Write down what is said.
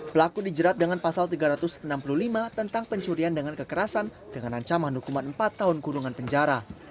pelaku dijerat dengan pasal tiga ratus enam puluh lima tentang pencurian dengan kekerasan dengan ancaman hukuman empat tahun kurungan penjara